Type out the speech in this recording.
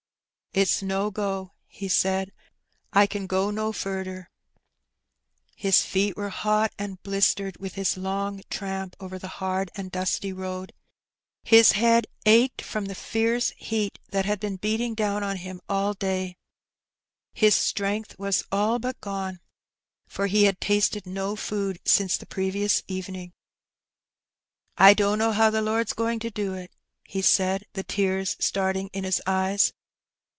"It's no go,'' he said; "I ken go no furder." His feet were hot and blistered with his long tramp over the hard and dusty road. His head ached from the fierce heat that had been beating down on him all the day, his strength was all but gone, for he had tasted no food since the previous evening. "I dunno how the Lord's goin' to do it," he said, the tears starting in his eyes.